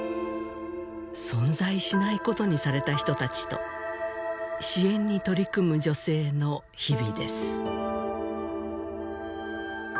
存在しないことにされた人たちと支援に取り組む女性の日々です